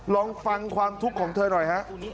ลองฟังความทุกข์ของเธอหน่อยฮะ